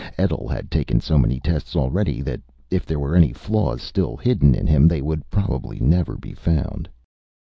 Etl had taken so many tests already that, if there were any flaws still hidden in him, they would probably never be found.